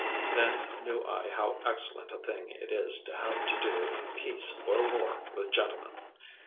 Then knew I how excellent a thing it is to have to do in peace or war with gentlemen.